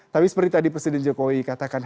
tapi seperti tadi presiden jokowi katakan